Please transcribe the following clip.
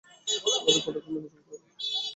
আমাদের প্রটোকল মেনে চলতে হবে।